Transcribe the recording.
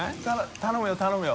頼むよ頼むよ。